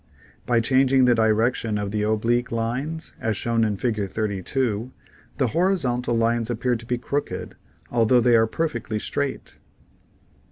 By changing the direction of the oblique lines, as shown in Fig. 32, the horizontal lines appear to be crooked although they are perfectly straight.